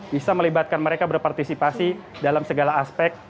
bisa melibatkan mereka berpartisipasi dalam segala aspek